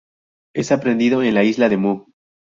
Es aprendido en la Isla de Mu.